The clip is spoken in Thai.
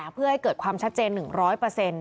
และก็คือว่าถึงแม้วันนี้จะพบรอยเท้าเสียแป้งจริงไหม